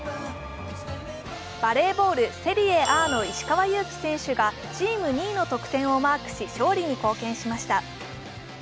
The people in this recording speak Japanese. バレーボール・セリエＡの石川祐希選手がチーム２位の得点をマークし、勝利に貢献しました。